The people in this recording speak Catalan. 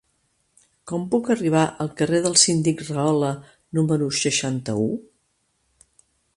Com puc arribar al carrer del Síndic Rahola número seixanta-u?